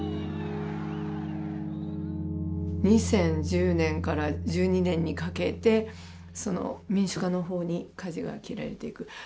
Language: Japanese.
２０１０年から１２年にかけて民主化の方にかじが切られていく。